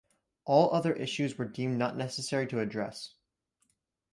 All other issues were deemed not necessary to address.